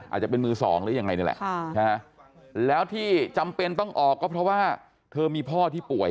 อาจจะเป็นมือสองหรือยังไงนี่แหละแล้วที่จำเป็นต้องออกก็เพราะว่าเธอมีพ่อที่ป่วย